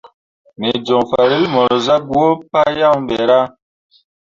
Me joŋ farel mor zah gwǝǝ pah yaŋ ɓe ra.